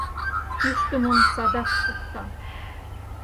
Кӱштымым садак шукта.